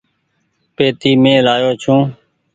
پيتي مين لآيو ڇون۔